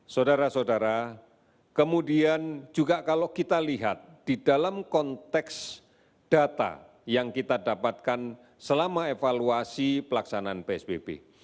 saudara saudara kemudian juga kalau kita lihat di dalam konteks data yang kita dapatkan selama evaluasi pelaksanaan psbb